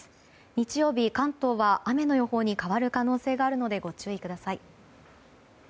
日曜日、関東は雨の予報に変わる可能性があるのでご注意ください。